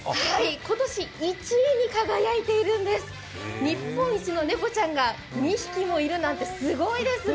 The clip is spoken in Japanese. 今年１位に輝いているんです日本一の猫ちゃんが２匹もいるなんてすごいですね。